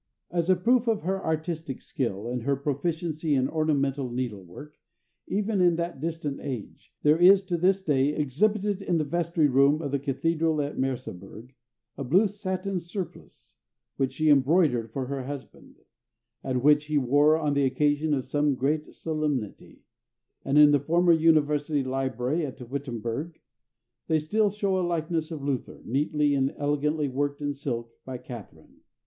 As a proof of her artistic skill and her proficiency in ornamental needle work, even in that distant age, there is, to this day, exhibited in the vestry room of the cathedral at Merseburg, a blue satin surplice which she embroidered for her husband, and which he wore on the occasion of some great solemnity, and in the former University library at Wittenberg, they still show a likeness of Luther, neatly and elegantly worked in silk by Catharine.